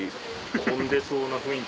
混んでそうな雰囲気。